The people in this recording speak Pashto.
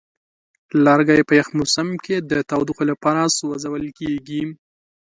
لرګی په یخ موسم کې د تودوخې لپاره سوځول کېږي.